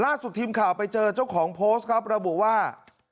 ทีมข่าวไปเจอเจ้าของโพสต์ครับระบุว่า